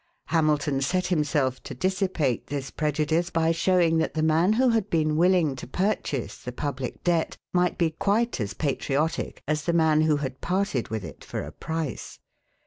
Hamilton set himself to dissipate this prejudice by showing that the man who had been willing to purchase the public debt might be quite as patriotic as the man who had parted with it for a price.